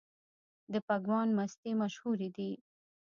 د پګمان مستې مشهورې دي؟